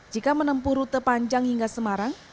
jika menempuh rute panjang hingga semarang